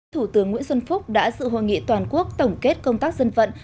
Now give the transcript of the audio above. thủ tướng nguyễn xuân phúc đã dự hội nghị toàn quốc tổng kết công tác dân vận